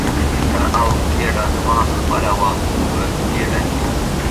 سر او ګېډه زما خپله وه، خو په ګېډه کې.